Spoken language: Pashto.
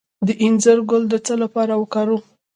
د انځر ګل د څه لپاره وکاروم؟